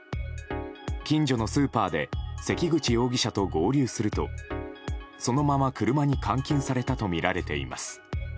近所のスーパーで関口容疑者と合流するとそのまま車に監禁されたとみられています。